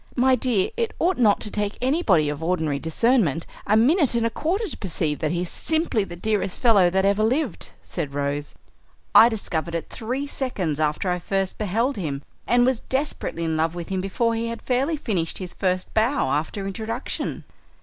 "My dear, it ought not to take anybody of ordinary discernment a minute and a quarter to perceive that he is simply the dearest fellow that ever lived," said Rose. "I discovered it three seconds after I first beheld him, and was desperately in love with him before he had fairly finished his first bow after introduction."